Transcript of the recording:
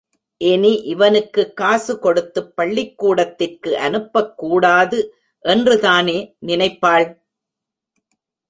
இனி இவனுக்குக் காசு கொடுத்துப் பள்ளிக்கூடத்திற்கு அனுப்பக் கூடாது என்றுதானே நினைப்பாள்?